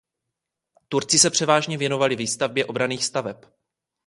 Turci se převážně věnovali výstavbě obranných staveb.